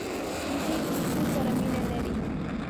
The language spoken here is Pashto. وزې د سکوت سره مینه لري